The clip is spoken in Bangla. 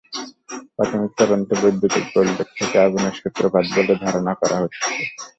প্রাথমিক তদন্তে বৈদ্যুতিক গোলযোগ থেকে আগুনের সূত্রপাত বলে ধারণা করা হচ্ছে।